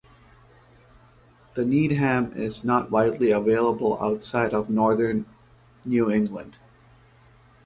The needham is not widely available outside of northern New England.